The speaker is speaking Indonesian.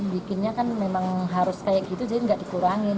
bikinnya kan memang harus kayak gitu jadi nggak dikurangin